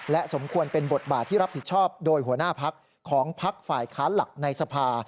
สมควรเป็นบทบาทที่รับผิดชอบโดยหัวหน้าพักของพักฝ่ายค้านหลักในสภา